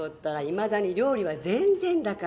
いまだに料理は全然だから。